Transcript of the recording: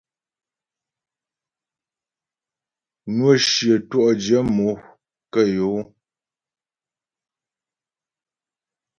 Nwə́ shyə twɔ'dyə̂ mo kə yɔ́ ó.